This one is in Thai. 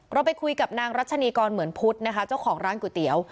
เราไปคุยกับนางรัชนีกรเหมือนพุทธนะคะเจ้าของร้านก๋วยเตี๋ยว